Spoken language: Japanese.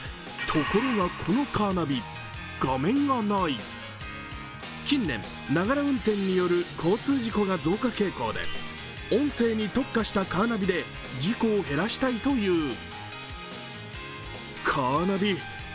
ところがこのカーナビ、画面がない近年、ながら運転による交通事故が増加傾向で音声に特化したカーナビで事故を減らしたいという。